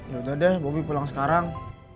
yaudah deh bobi pulang sekarang